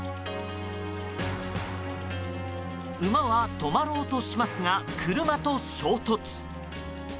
馬は止まろうとしますが車と衝突。